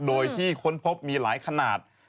โดยที่ค้นพบมีหลายขนาด